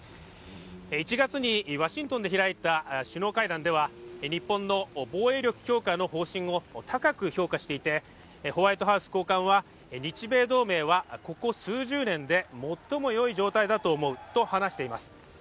１月にワシントンで開いた首脳会談では日本の防衛力強化の方針を高く評価していて、ホワイトハウス高官は、日米同盟はここ数十年で最もよい状態だと思うと話しています。